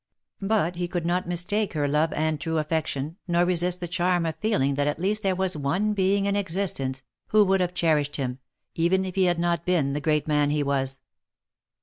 But he could not mis take her love and true affection, nor resist the charm of feeling that at least there was one being in existence, who would have che rished him, even if he had not been the great man he was.